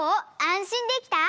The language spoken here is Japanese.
あんしんできた？